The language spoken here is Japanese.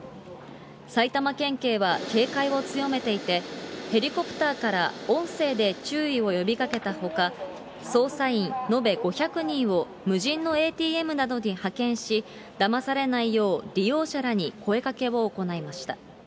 埼玉県警は警戒を強めていて、ヘリコプターから音声で注意を呼びかけたほか、捜査員延べ５００人を無人のＡＴＭなどに派遣し、だまされないよう、利用者らに声かけを行いました。